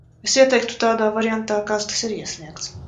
Es ieteiktu tādā variantā kāds tas ir iesniegts.